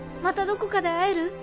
またどこかで会える？